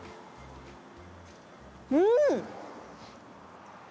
うん！